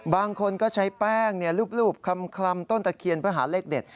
บางคนก็ใช้แป้งรูปคลำต้นตะเคียนเพื่อหาเลขเด็ด